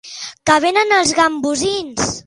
Que venen els gambosins!